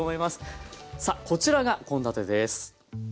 さあこちらが献立です。